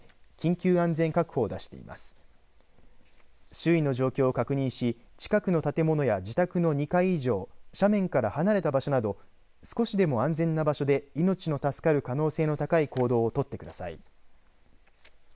周囲の状況を確認し近くの建物や自宅の２階以上斜面から離れた場所など少しでも安全な場所で命の助かる可能性の高い行動を取ってください。